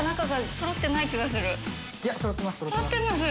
そろってます？